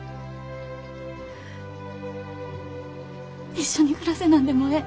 一緒に暮らせなんでもええ。